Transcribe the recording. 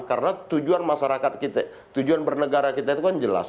karena tujuan masyarakat kita tujuan bernegara kita itu kan jelas